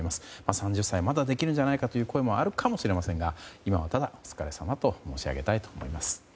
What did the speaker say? ３０歳、まだできるんじゃないかという声もあるかもしれませんが今はただ、お疲れさまと申し上げたいと思います。